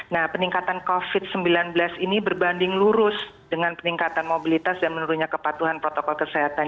nah peningkatan covid sembilan belas ini berbanding lurus dengan peningkatan mobilitas dan menurunnya kepatuhan protokol kesehatan